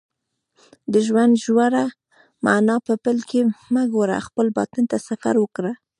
د ژوند ژوره معنا په بل کې مه ګوره خپل باطن ته سفر وکړه